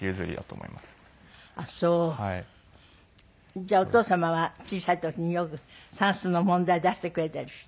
じゃあお父様は小さい時によく算数の問題出してくれたりした？